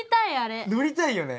乗りたいよね。